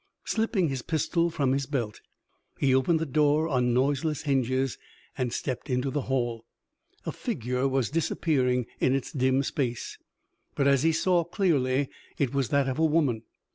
Slipping his pistol from his belt, he opened the door on noiseless hinges and stepped into the hall. A figure was disappearing in its dim space, but, as he saw clearly, it was that of a woman.